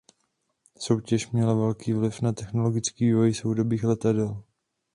Soutěž měla velký vliv na technický vývoj soudobých letadel.